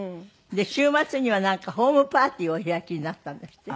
週末にはホームパーティーをお開きになったんですって？